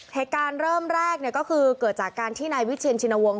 เหตุการณ์เริ่มแรกก็คือเกิดจากการที่นายวิเชียนชินวงศ